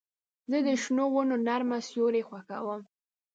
زه د شنو ونو نرمه سیوري خوښوم.